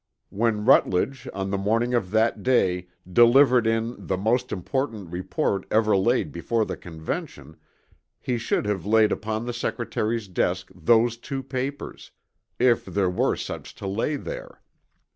When Rutledge on the morning of that day "delivered in" the most important report ever laid before the Convention he should have laid upon the Secretary's desk those two papers, if there were such to lay there.